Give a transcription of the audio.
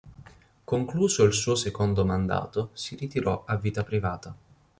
Concluso il suo secondo mandato, si ritirò a vita privata.